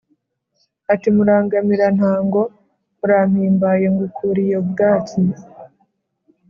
Ati : Murangamirantango, urampimbaye, ngukuriye ubwatsi